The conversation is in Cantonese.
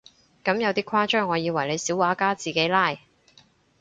咁有啲誇張，我以為你小畫家自己拉